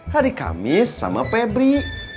hari kamis sama febri